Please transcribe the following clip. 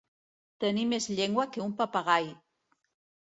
Tenir més llengua que un papagai.